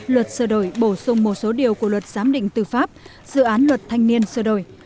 luật sửa đổi bổ sung một số điều của luật giám định tư pháp dự án luật thanh niên sửa đổi